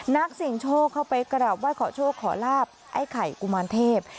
นักเสี่ยงโชคเข้าไปกราบไห้ขอโชคขอลาบไอ้ไข่กุมารเทพ